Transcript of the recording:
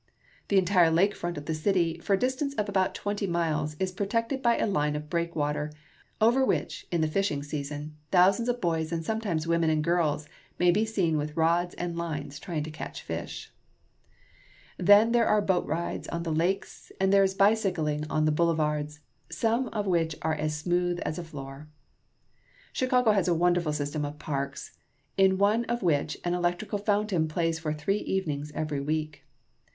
The entire lake front of the city, for a distance of about twenty miles, is protected by a line of breakwater, over which, in the fishing season, thousands of boys and sometimes women and girls may be seen with rods and lines trying to catch fish. 234 CHICAGO. Then there are boat rides on the lakes, and there is bicycling on the boulevards, which are as smooth as a On the Boulevard, Chicago. floor. Chicago has a wonderful system of parks, in one of which an electrical fountain plays for three evenings every week.